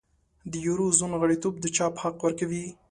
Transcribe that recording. د یورو زون غړیتوب د چاپ حق ورکوي.